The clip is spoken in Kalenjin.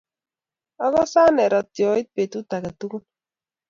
akose anee ratioit betut age tugul.